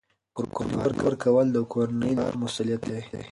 قرباني ورکول د کورنۍ د پلار مسؤلیت دی.